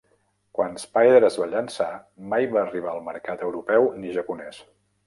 Quan Spyder es va llençar, mai va arribar al mercat europeu ni japonès.